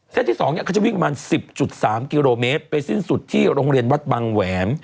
ที่๒เขาจะวิ่งประมาณ๑๐๓กิโลเมตรไปสิ้นสุดที่โรงเรียนวัดบังแหวน